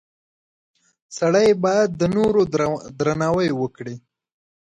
• سړی باید د نورو درناوی وکړي.